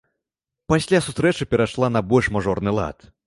Пасля сустрэча перайшла на больш мажорны лад.